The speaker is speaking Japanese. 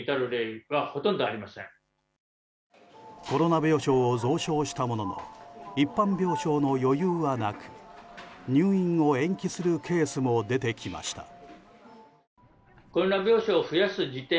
コロナ病床を増床したものの一般病床の余裕はなく入院を延期するケースも出てきました。